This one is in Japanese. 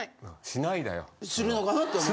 するのかなって思って。